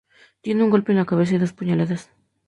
Tiene un golpe en la cabeza y dos puñaladas.